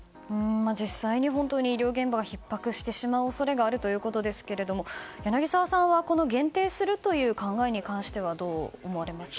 実際に本当に医療現場がひっ迫してしまう恐れがあるということですが柳澤さんはこの限定するという考えについてはどう思われますか？